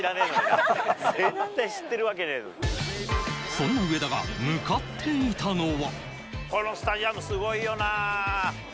そんな上田が向かっていたのは。